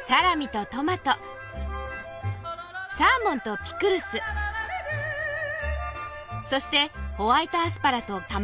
サラミとトマトサーモンとピクルスそしてホワイトアスパラと卵。